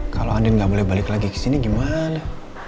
kalau andien gak boleh balik lagi kesini gimana